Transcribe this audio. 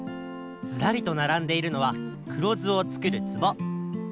ずらりとならんでいるのは黒酢をつくる壺！